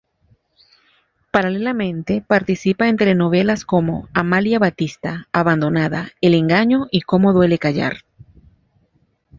Paralelamente participa en telenovelas como "Amalia Batista", "Abandonada", "El engaño" y "Cómo duele callar".